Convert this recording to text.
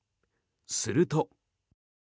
すると。